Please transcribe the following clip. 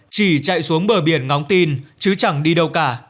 chỉ chạy xuống bờ biển ngóng tin chứ chẳng đi đâu cả